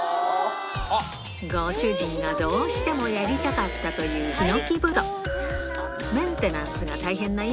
ご主人がどうしてもやりたかったという使用